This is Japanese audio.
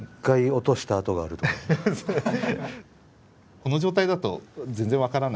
この状態だと全然分からない話なんですが。